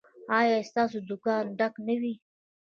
ایا ستاسو دکان ډک نه دی؟